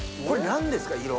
これ何ですか？